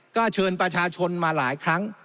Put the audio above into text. ก็เชิญประชาชนมาหลายครั้ง